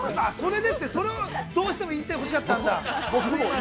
◆それをどうしても言ってほしかったんだ。